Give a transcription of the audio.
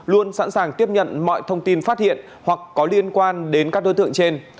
luôn sẵn sàng tiếp nhận mọi thông tin phát hiện hoặc có liên quan đến các đối tượng trên